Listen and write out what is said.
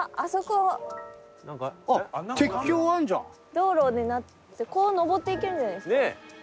道路になってこう上っていけるんじゃないですか？